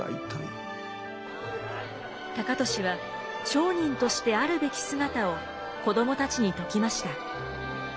高利は商人としてあるべき姿を子どもたちに説きました。